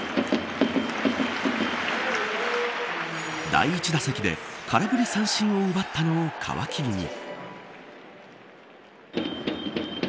第１打席で空振り三振を奪ったのを皮切りに。